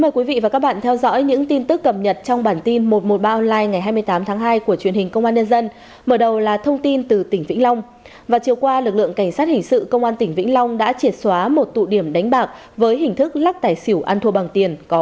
các bạn hãy đăng ký kênh để ủng hộ kênh của chúng mình nhé